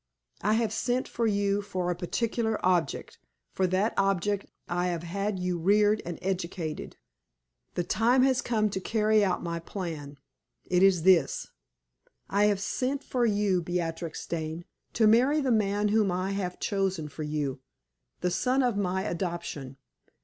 I have sent for you for a particular object; for that object I have had you reared and educated. The time has come to carry out my plan; it is this: I have sent for you, Beatrix Dane, to marry the man whom I have chosen for you the son of my adoption.